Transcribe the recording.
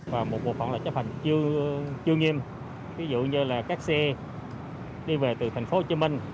và một bộ phận là chấp hành chưa nghiêm ví dụ như là các xe đi về từ thành phố hồ chí minh